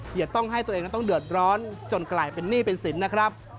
อย่าต้องให้ตัวเองนั้นต้องเดือดร้อนจนกลายเป็นหนี้เป็นสินนะครับ